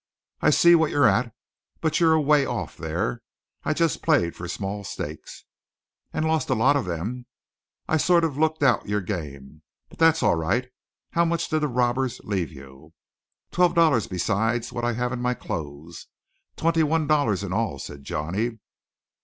"I see what you're at, but you're away off there. I just played for small stakes." "And lost a lot of them. I sort of look out your game. But that's all right. How much did the 'robbers' leave you?" "Twelve dollars, besides what I have in my clothes twenty one dollars in all," said Johnny.